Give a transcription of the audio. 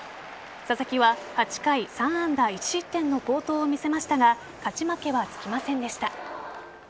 佐々木は８回３安打１失点の好投を見せましたが勝ち負けはつきませんでした。